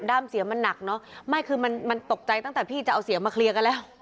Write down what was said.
้ามเสียมันหนักเนอะไม่คือมันมันตกใจตั้งแต่พี่จะเอาเสียงมาเคลียร์กันแล้ว